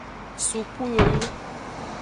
Suku yoyu.